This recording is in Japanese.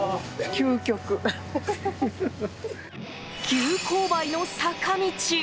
急勾配の坂道。